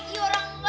iya orang enggak juga